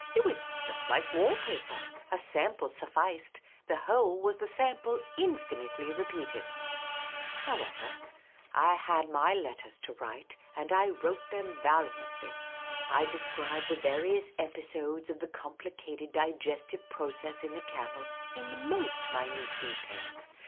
It was just like wall paper. A sample sufficed ; the whole was the sample infinitely repeated. The Unobtrusive Oasis 189 However, I had my letters to write, and I wrote them vahantly. I described the various episodes of the compli cated digestive process in the camel in the minutest detail.